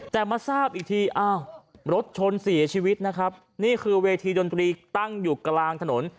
แต่มาทราบอีกทีอ้าวรถชนเสียชีวิตนะครับนี่คือเวทีดนตรีตั้งอยู่กลางถนน